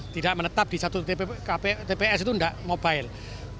tidak menetap di satu tps itu tidak mobile